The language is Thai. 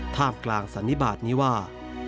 ท่ามกลางสันนิบาทนี้ว่า